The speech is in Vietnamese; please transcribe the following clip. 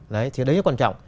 đấy thì đấy là quan trọng